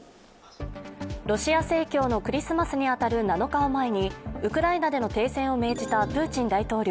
ロシア正教のクリスマスに当たる７日を前にウクライナでの停戦を命じたプーチン大統領。